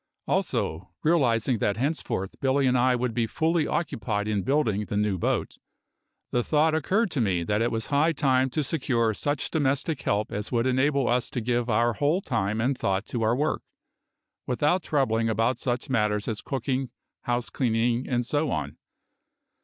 Also, realising that henceforth Billy and I would be fully occupied in building the new boat, the thought occurred to me that it was high time to secure such domestic help as would enable us to give our whole time and thought to our work without troubling about such matters as cooking, house cleaning, and so on.